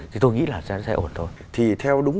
thì tôi nghĩ là sẽ ổn thôi thì theo đúng